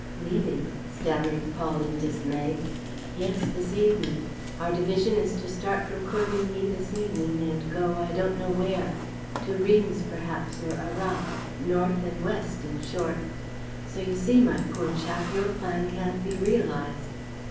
"Leaving?" stammered Paul, in dismay. "Yes, this evening. Our division is to start from Corvigny this evening and go I don't know where ... to Rheims, perhaps, or Arras. North and west, in short. So you see, my poor chap, your plan can't be realized.